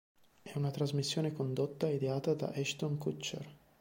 È una trasmissione condotta e ideata da Ashton Kutcher.